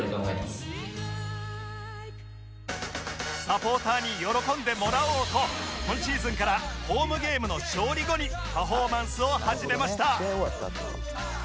サポーターに喜んでもらおうと今シーズンからホームゲームの勝利後にパフォーマンスを始めました